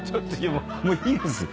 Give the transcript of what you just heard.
もういいです。